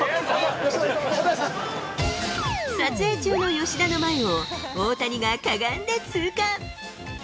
撮影中の吉田の前を、大谷がかがんで通過。